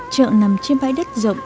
chợ nằm trên bãi đất rộng